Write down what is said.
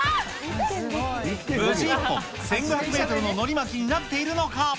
無事１本１５００メートルののり巻きになっているのか。